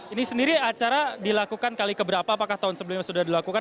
ini sendiri acara dilakukan kali keberapa apakah tahun sebelumnya sudah dilakukan